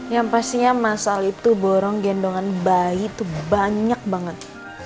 yang pastinya mas al itu borong gendongan bayi tuh banyak banget